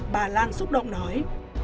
bà lan xúc động nói